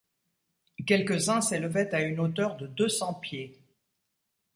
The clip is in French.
Quelques-uns s’élevaient à une hauteur de deux cents pieds.